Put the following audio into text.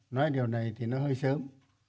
nói điều này thì nó hơi sớm